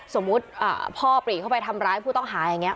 สมมุติพ่อปรีเข้าไปทำร้ายผู้ต้องหาอย่างนี้